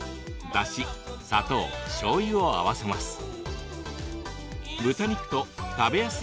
だし、砂糖、しょうゆを合わせます。